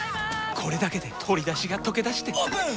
これだけで鶏だしがとけだしてオープン！